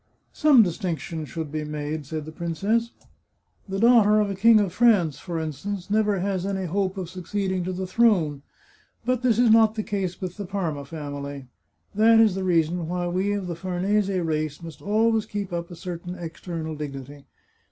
" Some distinction should be made," said the princess. " The daughter of a King of France, for instance, never has any hope of succeeding to the throne. But this is not the case with the Parma family. That is the reason why we of the Farnese race must always keep up a certain external dignity.